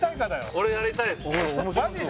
俺やりたいですマジで？